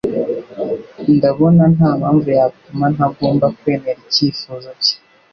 Ndabona ntampamvu yatuma ntagomba kwemera icyifuzo cye.